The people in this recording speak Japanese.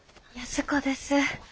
安子です。